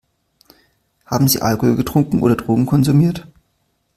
Haben Sie Alkohol getrunken oder Drogen konsumiert?